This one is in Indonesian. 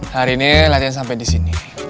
hari ini latihan sampai disini